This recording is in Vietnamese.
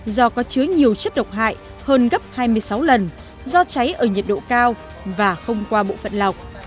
do có chứa nhiều chất độc hại hơn gấp hai mươi sáu lần do cháy ở nhiệt độ cao và không qua bộ phận lọc